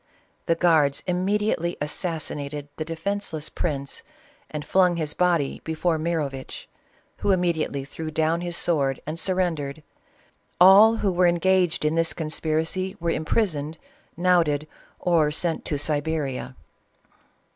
The guards imme diately assassinated the defenceless prince and flung his body before Mirovitch, who immediately thjew down his sword and surrendered. All who were en gaged in this conspiracy were imprisoned, knouted, or sent to Siberia.